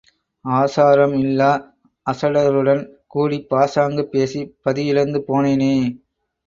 ஆசாரம் இல்லா அசடருடன் கூடிப் பாசாங்கு பேசிப் பதி இழந்து போனேனே!